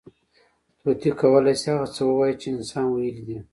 طوطي کولی شي، هغه څه ووایي، چې انسان ویلي دي.